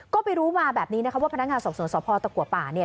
ก็ไปรู้มาแบบนี้นะคะว่าพนักงานสอบสวนสพตะกัวป่าเนี่ย